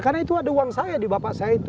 karena itu ada uang saya di bapak saya itu